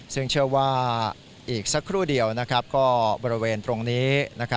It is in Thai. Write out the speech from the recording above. ซึ่งเชื่อว่าอีกสักครู่เดียวก็บริเวณตรงนี้